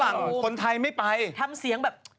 รอฝรั่งคนไทยไม่ไป